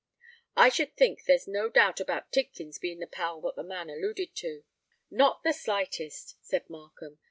I should think there's no doubt about Tidkins being the pal that the man alluded to." "Not the slightest," said Markham.